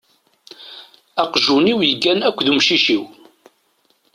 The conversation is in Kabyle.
Aqjun-iw yeggan akked umcic-iw.